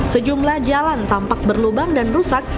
sejumlah jalan tampak berlubang dan rusak